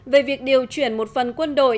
về việc điều chuyển một phần quân đội